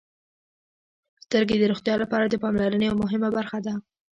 • سترګې د روغتیا لپاره د پاملرنې یوه مهمه برخه ده.